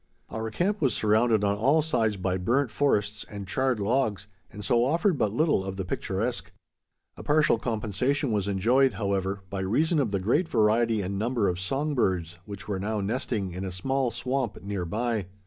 Our camp was surrounded on all sides by burnt forests and charred logs, and so offered but little of the picturesque. A partial compensation was enjoyed, however, by reason of the great variety and number of song birds which were now nesting in a small swamp near by.